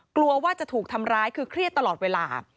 กลัวว่าจะถูกทำร้ายคือเครียดตลอดเวลา